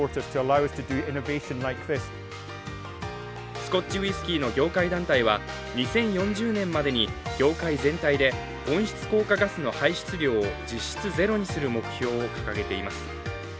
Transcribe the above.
スコッチウイスキーの業界団体は、２０４０年までに業界全体で温室効果ガスの排出量を実質ゼロにする目標を掲げています。